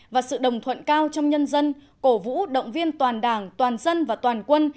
và sự đồng thuận cao trong nhân dân cổ vũ động viên toàn đảng toàn dân và toàn quân